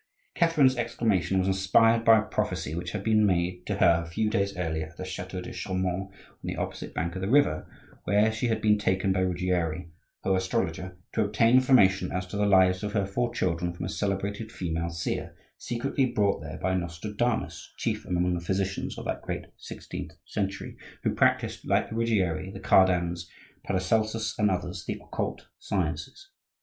Catherine's exclamation was inspired by a prophecy which had been made to her a few days earlier at the chateau de Chaumont on the opposite bank of the river; where she had been taken by Ruggieri, her astrologer, to obtain information as to the lives of her four children from a celebrated female seer, secretly brought there by Nostradamus (chief among the physicians of that great sixteenth century) who practised, like the Ruggieri, the Cardans, Paracelsus, and others, the occult sciences.